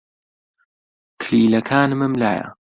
کلیلەکانمم لایە.